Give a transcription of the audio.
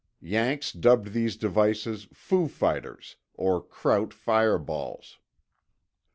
Yanks dubbed these devices "foo fighters" or "Kraut fireballs."